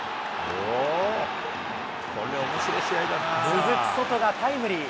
続くソトがタイムリー。